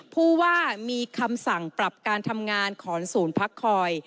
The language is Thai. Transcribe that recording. ผู้ว่ามีคำสั่งปรับการทำงานของศูนย์พักคอย